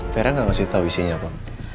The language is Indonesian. vera gak ngasih tau isinya pak